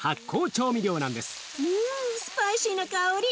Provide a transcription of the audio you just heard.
うんスパイシーな香り。